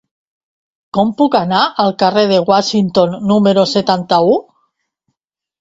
Com puc anar al carrer de Washington número setanta-u?